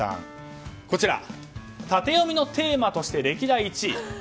タテヨミのテーマとして歴代１位。